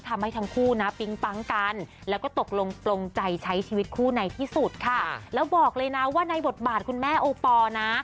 ต้องใจใช้ชีวิตคู่ในที่สุดค่ะแล้วบอกเลยนะว่าในบทบาทคุณแม่โอปอร์นะ